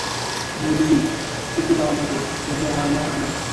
বউদিদি, ছুটি দাও আমাকে, সহ্য হয় না আমার।